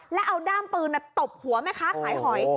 แล้วเอาด้ามปืนตบหัวแม่ค้าขายหอย